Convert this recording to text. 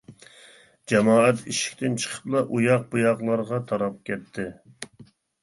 جامائەت ئىشىكتىن چىقىپلا ئۇياق-بۇياقلارغا تاراپ كەتتى.